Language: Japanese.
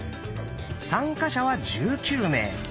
参加者は１９名。